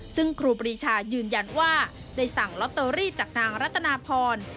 ซึ่งครูปรีชายืนยันว่าได้สั่งลอตเตอรี่จากนางรัตนาพร